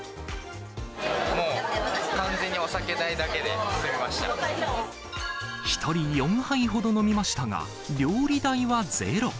もう完全にお酒代だけで済み１人４杯ほど飲みましたが、料理代はゼロ。